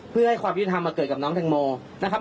เพื่อให้ความยุติธรรมมาเกิดกับน้องแตงโมนะครับ